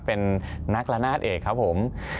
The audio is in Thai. เป็นนักละนาดเอกครับผม